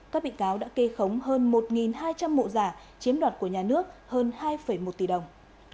các bị cáo đã kê khống hơn một hai trăm linh mộ giả chiếm đoạt của nhà nước hơn hai một tỷ đồng